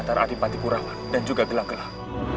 antara adipati kurawan dan juga gelang gelang